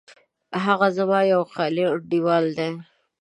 هغه زما یو خیالي انډیوال دی